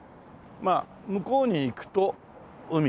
まあ向こうに行くと海で。